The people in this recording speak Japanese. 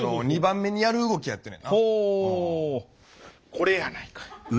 これやないか。